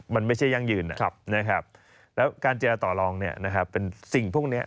มันไม่ใช่ยั่งยืนครับนะครับแล้วการเจรจาต่อรองเนี่ยนะครับเป็นสิ่งพวกเนี้ย